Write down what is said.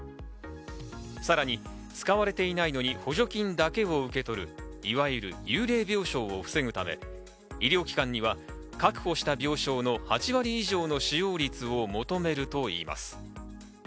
さらに使われていないのに補助金だけを受け取るいわゆる幽霊病床を防ぐため医療機関には確保した病床の８割以上の使用率を求めるといいます。